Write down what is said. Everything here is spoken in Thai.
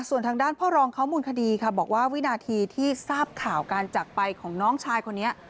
ส่วนทางด้านพ่อรองเขามูลคดีค่ะบอกว่าวินาทีที่ทราบข่าวการจักรไปของน้องชายคนนี้